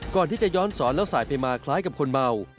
ก่อนที่จะย้อนสอนแล้วสายไปมาคล้ายกับคนเมา